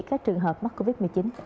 các trường hợp mắc covid một mươi chín